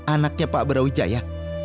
anaknya pak brawijaya